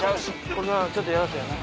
これはちょっとやらせやな。